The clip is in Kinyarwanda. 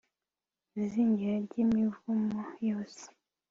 izingiro ry'imivumo yose